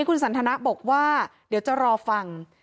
คุณสันทนะบอกว่าเดี๋ยวจะรอฟัง